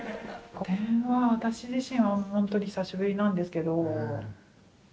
個展は私自身はほんとに久しぶりなんですけど。